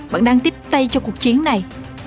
bạn đang tiếp tay cho cuộc chiến này